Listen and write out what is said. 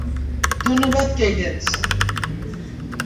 ধন্যবাদ, কেইডেন্স।